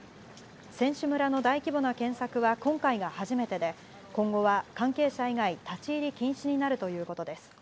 選手村の大規模な検索は今回が初めてで、今後は関係者以外、立ち入り禁止になるということです。